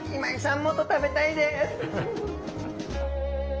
もっと食べたいです！